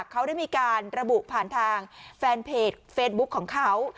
เขาได้มีการระบุผ่านทางแฟนเพจเฟซบุ๊คของเขา